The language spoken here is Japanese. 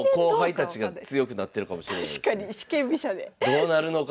どうなるのか。